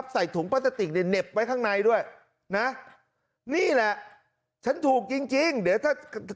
ใส่ถุงพลาสติกในเหน็บไว้ข้างในด้วยนะนี่แหละฉันถูกจริงจริงเดี๋ยวถ้า